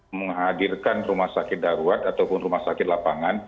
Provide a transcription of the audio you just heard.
menghadirkan rumah sakit darurat ataupun rumah sakit lapangan